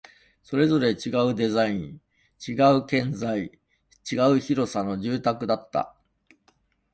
それぞれ違うデザイン、違う建材、違う広さの住宅だった